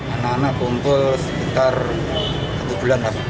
anak anak kumpul sekitar satu bulan lah